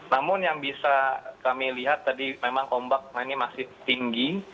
namun yang bisa kami lihat tadi memang ombak ini masih tinggi